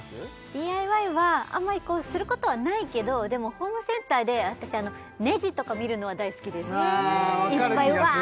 ＤＩＹはあんまりすることはないけどでもホームセンターで私ネジとか見るのは大好きですああ